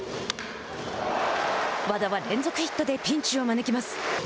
和田は連続ヒットでピンチを招きます。